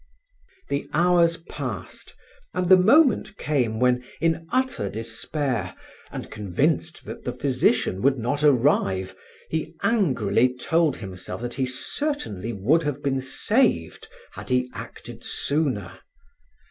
The hours passed and the moment came when, in utter despair and convinced that the physician would not arrive, he angrily told himself that he certainly would have been saved, had he acted sooner.